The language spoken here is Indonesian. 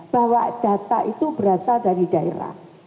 bahwa data itu berasal dari daerah